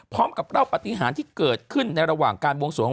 พร้อมกับเล่าปฏิหารที่เกิดขึ้นในระหว่างการบวงสวง